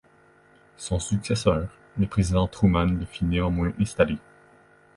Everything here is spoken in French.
Son successeur, le président Truman le fit néanmoins installer.